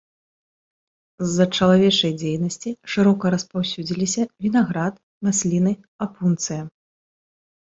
З-за чалавечай дзейнасці шырока распаўсюдзіліся вінаград, масліны, апунцыя.